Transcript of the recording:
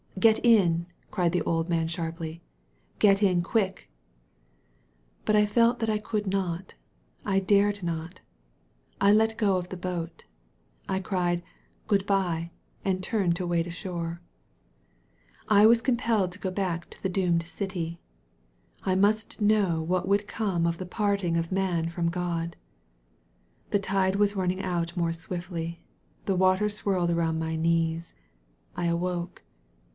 "Get, in," cried the old man sharply; "get in quick." But I felt that I could not, I dared not. I let go of the boat. I cried "Grood by," and turned to wade ashore. I was compelled to go back to the doomed dly, I must know what would come of the parting of Man from God ! The tide was running out more swiftly. The water swirled around my knees. I awoke.